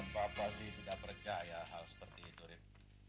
bapak sih tidak percaya hal seperti itu rip